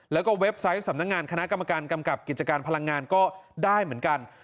แล้วก็เว็บไซต์สำนักงานคณะกรรมการกำกับกิจการพลังงานก็ได้เหมือนกัน